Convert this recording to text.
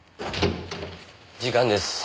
時間です。